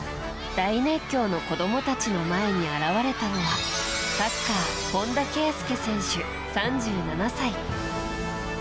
大熱狂の子供たちの前に現れたのはサッカー、本田圭佑選手、３７歳。